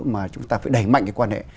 mà chúng ta phải đẩy mạnh cái quan hệ